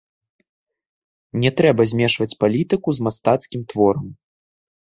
Не трэба змешваць палітыку з мастацкім творам.